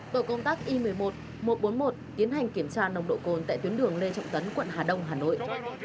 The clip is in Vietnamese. tổ công tác i một mươi một một trăm bốn mươi một tiến hành kiểm tra nồng độ cồn tại tuyến đường lê trọng tấn quận hà đông hà nội